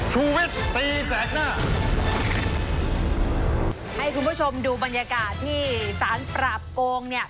ให้คุณผู้ชมดูบรรยากาศที่สารปราบโกงเนี่ย